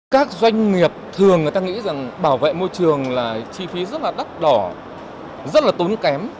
các doanh nghiệp thường người ta nghĩ rằng bảo vệ môi trường là chi phí rất là đắt đỏ rất là tốn kém